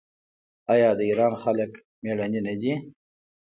آیا د ایران خلک میړني نه دي؟